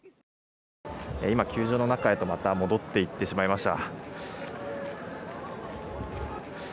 今、球場の中へとまた戻って行ってしまいました。